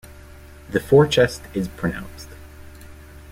The forechest is pronounced.